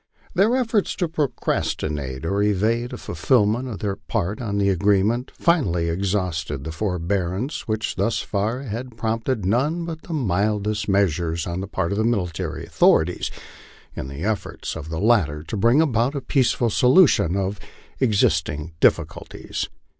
Their efforts to procrastinate or evade a fulfilment of their part of tho agreement finally exhausted the forbearance which thus far had prompted none but the mildest measures on the part of the military authorities, in the efforts of the latter to bring about a peaceful solution of existing difficulties.